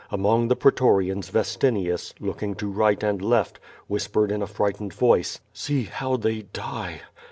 Among the pre torians Vestinius, looking to right and left, whispered in a frightened voice, "see how they die!"